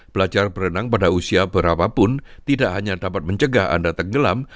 belajar berenang pada usia berapapun tidak hanya dapat mencegah anda tenggelam